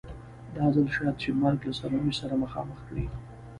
دا ځل شاید چې مرګ له سرنوشت سره مخامخ کړي.